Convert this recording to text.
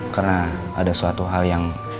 karena ada suatu hal yang